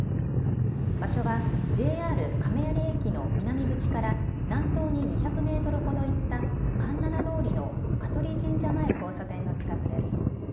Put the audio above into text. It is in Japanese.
場所はＪＲ亀有駅の南口から南東に２００メートルほど行った、環七通りの香取神社前交差点の近くです。